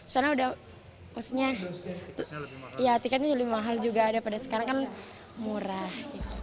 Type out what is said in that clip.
soalnya udah khususnya tiketnya lebih mahal juga daripada sekarang kan murah